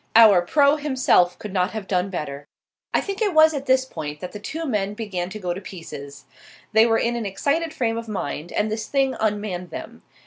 Our "pro." himself could not have done better. I think it was at this point that the two men began to go to pieces. They were in an excited frame of mind, and this thing unmanned them.